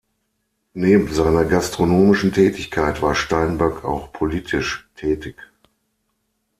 Neben seiner gastronomischen Tätigkeit war Steinböck auch politisch tätig.